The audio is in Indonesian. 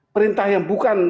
perintah yang bukan